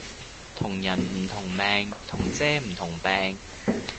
同人唔同命同遮唔同柄